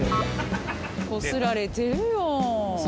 こすられてるよ。